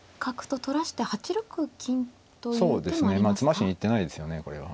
詰ましに行ってないですよねこれは。